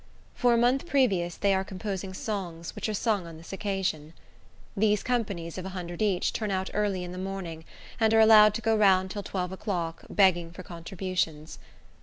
For a month previous they are composing songs, which are sung on this occasion. These companies, of a hundred each, turn out early in the morning, and are allowed to go round till twelve o'clock, begging for contributions.